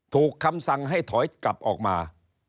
คำสั่งให้ถอยกลับออกมา